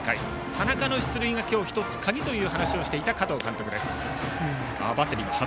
田中の出塁が今日１つ、鍵という話をしていた加藤監督です。